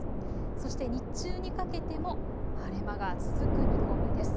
そして日中にかけても晴れ間が続く見込みです。